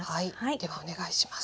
ではお願いします。